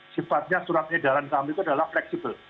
sifatnya surat edaran kami itu adalah fleksibel